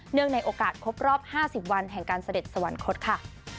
ในโอกาสครบรอบ๕๐วันแห่งการเสด็จสวรรคตค่ะ